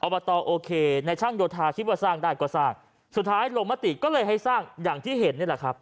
บตโอเคในช่างโยธาคิดว่าสร้างได้ก็สร้างสุดท้ายลงมติก็เลยให้สร้างอย่างที่เห็นนี่แหละครับ